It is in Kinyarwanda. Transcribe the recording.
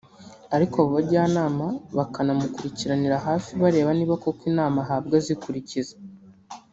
ariko abo bajyanama bakanamukurikiranira hafi bareba niba koko inama ahabwa azikurikiza